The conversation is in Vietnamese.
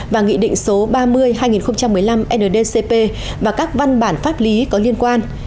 và nghị định số ba mươi hai nghìn một mươi năm ndcp và các văn bản pháp lý có liên quan